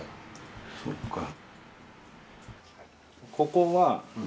そっか。